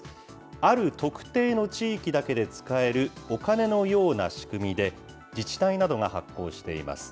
ある特定の地域だけで使えるお金のような仕組みで、自治体などが発行しています。